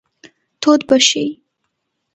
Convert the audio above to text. تود به شئ.